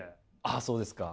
あそうですか。